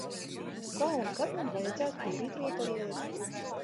Kā un kad man vajadzētu tīrīt rotaļlietu?